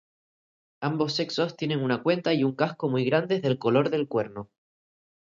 Ambos sexos tienen una cuenta y un casco muy grandes del color del cuerno.